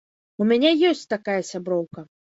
У мяне ёсць такая сяброўка.